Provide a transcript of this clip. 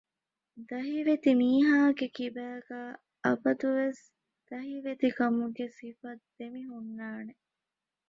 ދަހިވެތި މީހާގެކިބާގައި އަބަދުވެސް ދަހިވެތިކަމުގެ ސިފަ ދެމިހުންނާނެ